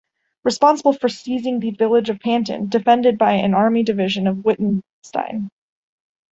Responsible for seizing the village of Pantin, defended by an army division of Wittgenstein.